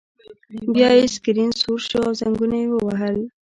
بیا یې سکرین سور شو او زنګونه یې ووهل